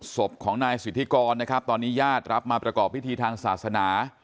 ศพของนายสิทธิกรนะครับตอนนี้ญาติรับมาประกอบพิธีทางศาสนา